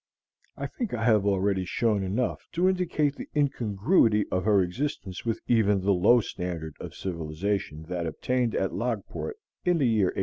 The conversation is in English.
I think I have already shown enough to indicate the incongruity of her existence with even the low standard of civilization that obtained at Logport in the year 1860.